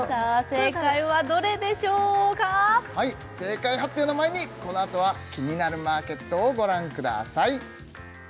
正解はどれでしょうかはい正解発表の前にこのあとはキニナルマーケットをご覧ください